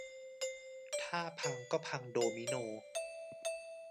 ถ้าพังก็พังโดมิโน